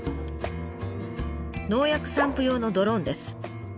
農薬散布用のドローンです。